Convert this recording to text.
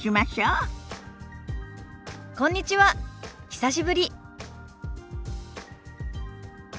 久しぶり。